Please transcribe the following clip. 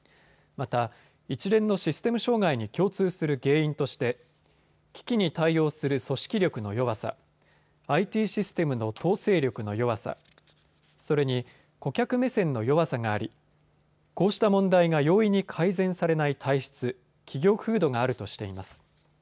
また、一連のシステム障害に共通する原因として危機に対応する組織力の弱さ、ＩＴシステムの統制力の弱さ、それに顧客目線の弱さがありこうした問題が容易に改善されない体質、企業風土があるとしています。